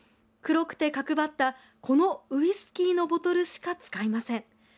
黒くて角ばったこのウイスキーのボトルしか使いません。